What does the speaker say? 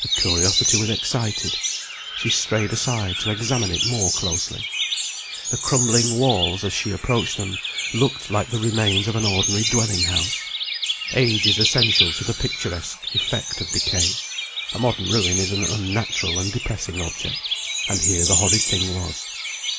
Her curiosity was excited; she strayed aside to examine it more closely. The crumbling walls, as she approached them, looked like the remains of an ordinary dwelling house. Age is essential to the picturesque effect of decay: a modern ruin is an unnatural and depressing object and here the horrid thing was.